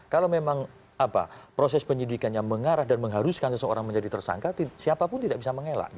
kalau memang proses penyidikannya mengarah dan mengharuskan seseorang menjadi tersangka siapapun tidak bisa mengelak